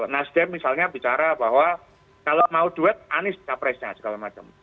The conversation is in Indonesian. nasdem misalnya bicara bahwa kalau mau duet anies capresnya segala macam